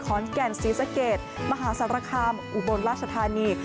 ขอนแก่นศรีสะเกดมหาสารคามอุบลราชธานี